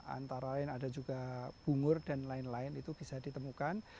antara lain ada juga bungur dan lain lain itu bisa ditemukan